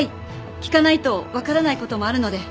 聞かないと分からないこともあるので。